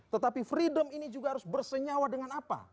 tetapi freedom ini juga harus bersenyawa dengan apa